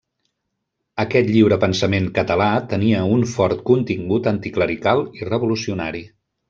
Aquest lliurepensament català tenia un fort contingut anticlerical i revolucionari.